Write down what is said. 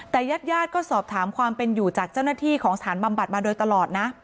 แต่ญาติญาติก็สอบถามความเป็นอยู่จากเจ้าหน้าที่ของสถานบำบัดมาโดยตลอดนะ